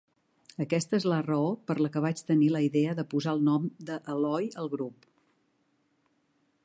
Aquesta és la raó per la que vaig tenir la idea de posar el nom de "Eloy" al grup.